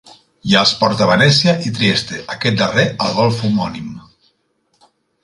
Hi ha els ports de Venècia i Trieste, aquest darrer al golf homònim.